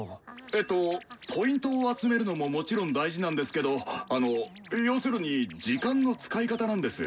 えっとＰを集めるのももちろん大事なんですけどあの要するに時間の使い方なんです。